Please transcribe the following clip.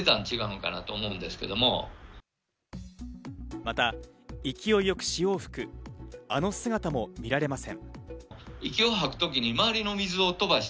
また勢いよく潮を吹くあの姿も見られません。